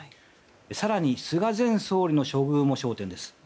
更に菅前総理の処遇も焦点です。